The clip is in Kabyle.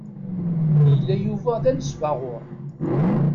Yella Yuba d anesbaɣur.